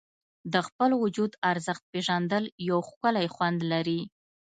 د خپل وجود ارزښت پېژندل یو ښکلی خوند لري.